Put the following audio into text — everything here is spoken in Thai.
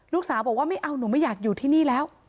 ลูกสาวบอกว่าไม่เอาหนูไม่อยากอยู่ที่นี่แล้ว